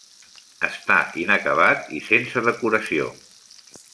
Està inacabat i sense decoració.